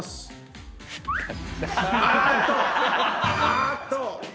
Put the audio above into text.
あーっと！